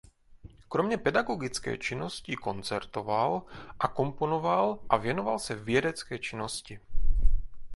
Kromě pedagogické činnosti koncertoval a komponoval a věnoval se vědecké činnosti.